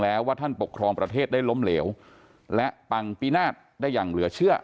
แล้วว่าท่านปกครองประเทศได้ล้มเหลวและปังปีนาศได้อย่างเหลือเชื่อ